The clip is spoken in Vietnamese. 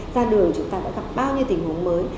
ra đường chúng ta đã gặp bao nhiêu tình huống mới